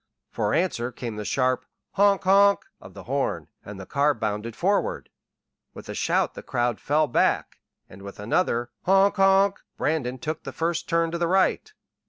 For answer came the sharp "honk honk" of the horn, and the car bounded forward. With a shout the crowd fell back, and with another "honk honk" Brandon took the first turn to the right.